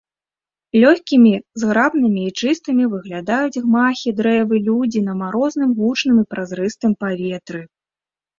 Лёгкімі, зграбнымі і чыстымі выглядаюць гмахі, дрэвы, людзі на марозным гучным і празрыстым паветры.